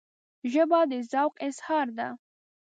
ژبه د ذوق اظهار ده